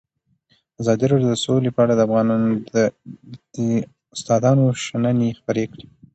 ازادي راډیو د سوله په اړه د استادانو شننې خپرې کړي.